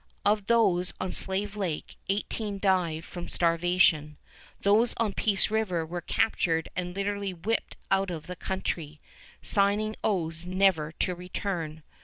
Of those on Slave Lake eighteen died from starvation. Those on Peace River were captured and literally whipped out of the country, signing oaths never to return.